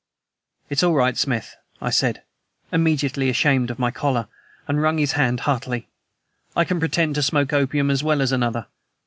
"It's all right, Smith;" I said, immediately ashamed of my choler, and wrung his hand heartily. "I can pretend to smoke opium as well as another.